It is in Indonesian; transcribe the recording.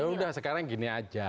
ya udah sekarang gini aja